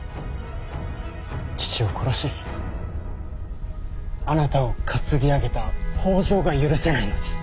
父を殺しあなたを担ぎ上げた北条が許せないのです。